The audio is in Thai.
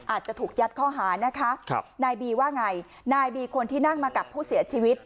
อาจจะถูกยัดข้อหานะคะครับนายบีว่าไงนายบีคนที่นั่งมากับผู้เสียชีวิต